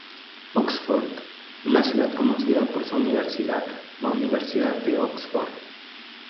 Oxford:Una ciudad conocida por su universidad, la Universidad de Oxford.